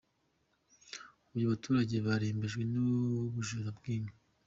Huye Abaturage barembejwe n’ubujura bw’inka